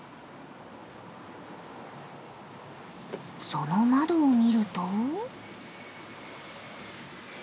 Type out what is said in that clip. その窓を見ると。